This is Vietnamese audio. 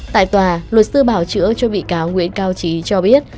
tại tòa luật sư bảo chữa cho bị cáo nguyễn cao trí cho biết